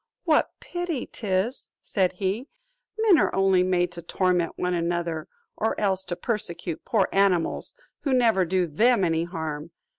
"What pity 'tis," said he, "men are only made to torment one another, or else to persecute poor animals who never do them any harm!"